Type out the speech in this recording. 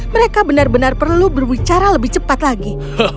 mereka benar benar perlu berbicara lebih cepat lagi